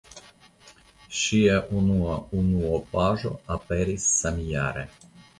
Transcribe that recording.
Ŝia unua unuopaĵo aperis samjare.